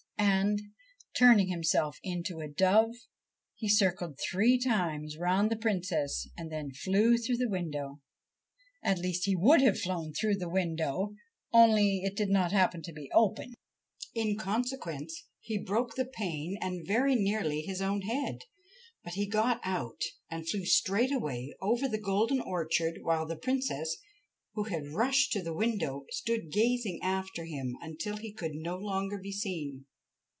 And, turning himself into a dove, he circled three times round the Princess and then flew through the window. At least, he would have flown through the window, only it did not happen to be open. In consequence he broke the pane and very nearly his own head ; but 39 THE SERPENT PRINCE he got out, and flew straight away over the golden orchard, while the Princess, who had rushed to the window, stood gazing after him until he could no longer be seen.